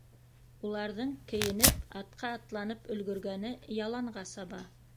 Уларҙың кейенеп, атҡа атланып өлгөргәне яланға саба.